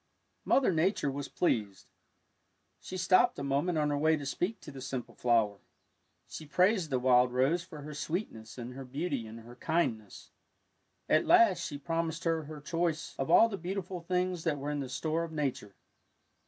Mother Nature was pleased. She stopped a moment on her way to speak to the simple flower. She praised the wild THE MOSS ROSE 105 rose for her sweetness and her beauty and her kindness. At last she promised her her choice of all the beautiful things that were in the store of Nature.